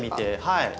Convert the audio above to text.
はい。